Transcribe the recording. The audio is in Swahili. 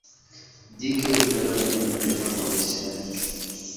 Jike hutaga mayai mapema kwa maisha yake.